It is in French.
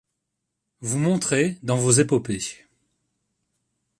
Vous montrez dans. vos épopées